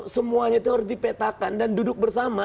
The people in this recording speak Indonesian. semuanya itu harus dipetakan dan duduk bersama